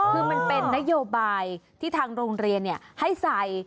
คือมันเป็นนโยบายที่ทางโรงเรียนให้ใส่